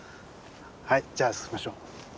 はいじゃあ進みましょう。